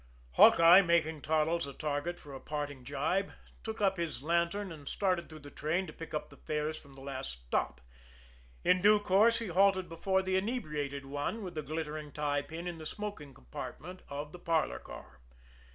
Hawkeye, making Toddles a target for a parting gibe, took up his lantern and started through the train to pick up the fares from the last stop. In due course he halted before the inebriated one with the glittering tie pin in the smoking compartment of the parlor car.